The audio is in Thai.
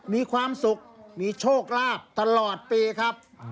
มีความสุขมีโชคลาภตลอดปีครับ